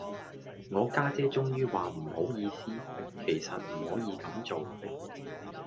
我家姐終於話唔好意思，其實唔可以咁做